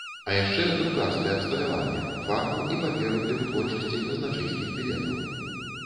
А яшчэ друкарскае абсталяванне, фарбу і паперу для вытворчасці казначэйскіх білетаў.